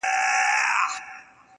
خپه په دې يم چي زه مرمه او پاتيږي ژوند~